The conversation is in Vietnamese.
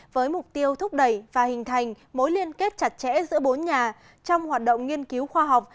với mục tiêu thúc đẩy và hình thành mối liên kết chặt chẽ giữa bốn nhà trong hoạt động nghiên cứu khoa học